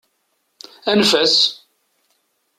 Anef-as!